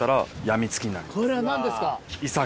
これは何ですか？